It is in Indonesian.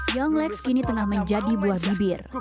yong lex kini tengah menjadi buah bibir